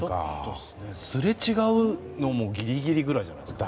すれ違うのもギリギリぐらいじゃないですか。